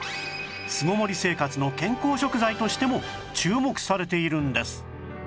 巣ごもり生活の健康食材としても注目されているんです